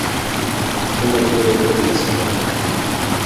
ښه ملګری تل نصیحت درکوي.